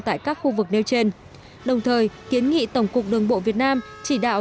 tại các khu vực nêu trên đồng thời kiến nghị tổng cục đường bộ việt nam chỉ đạo